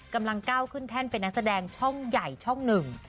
กำลังก้าวขึ้นแท่นเป็นนักแสดงช่องใหญ่ช่องหนึ่ง